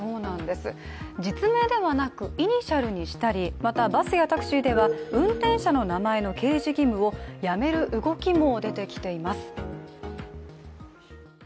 実名ではなく、イニシャルにしたりまた、バスやタクシーでは運転者の名前の掲示義務をやめる動きも出てきています。